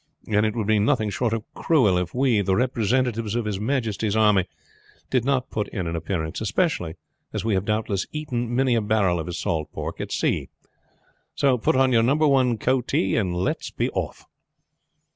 And it would be nothing short of cruel if we, the representatives of his majesty's army, did not put in an appearance; especially as we have doubtless eaten many a barrel of his salt pork at sea. So put on your number one coatee and let's be off."